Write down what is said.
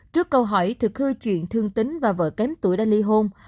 trước câu hỏi thực hư chuyện thương tính và vợ kém tuổi đã ly hôn